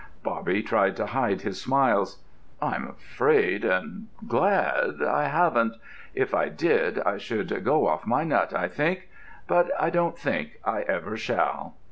Bobby tried to hide his smiles. "I'm afraid—and glad—I haven't. If I did, I should go off my nut, I think. But I don't think I ever shall!"